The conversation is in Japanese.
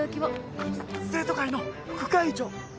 生徒会の副会長。